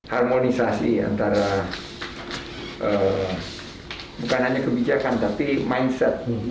harmonisasi antara bukan hanya kebijakan tapi mindset